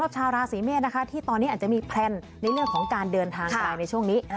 ชาวราศีเมษที่ตอนนี้อาจจะมีแพลนในเรื่องของการเดินทางไกลในช่วงนี้